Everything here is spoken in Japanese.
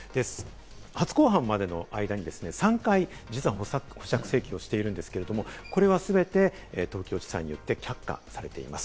初公判までの間に３回、実は保釈請求をしているんですけれども、これは全て東京地裁によって却下されています。